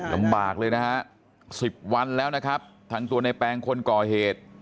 ลำบากเลยนะฮะสิบวันแล้วนะครับทั้งตัวในแปลงคนก่อเหตุ